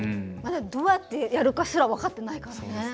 どうやってやるかすら分かってないからね。